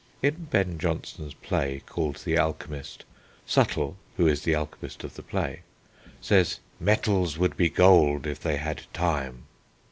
In Ben Jonson's play called The Alchemist, Subtle (who is the alchemist of the play) says, "... metals would be gold if they had time."